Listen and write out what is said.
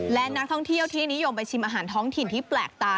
และนักท่องเที่ยวที่นิยมไปชิมอาหารท้องถิ่นที่แปลกตา